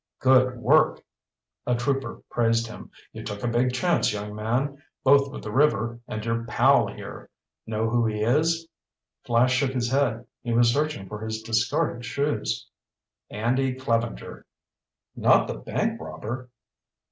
"Good work," a trooper praised him. "You took a big chance, young man, both with the river and your pal here. Know who he is?" Flash shook his head. He was searching for his discarded shoes. "Andy Clevenger." "Not the bank robber?"